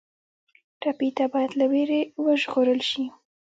ټپي ته باید له وېرې وژغورل شي.